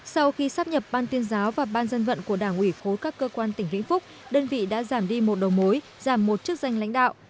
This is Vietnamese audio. sau khi sắp nhập ban tuyên giáo và ban dân vận của đảng ủy khối các cơ quan tỉnh vĩnh phúc đơn vị đã giảm đi một đầu mối giảm một chức danh lãnh đạo